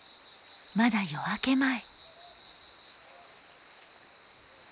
まだ夜明け前。